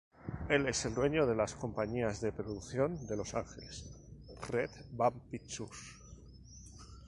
Él es dueño de la compañía de producción de Los Ángeles, Red Van Pictures.